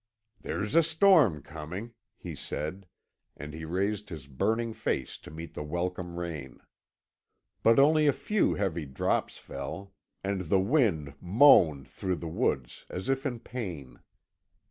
"There's a storm coming," he said, and he raised his burning face to meet the welcome rain. But only a few heavy drops fell, and the wind moaned through the woods as if in pain.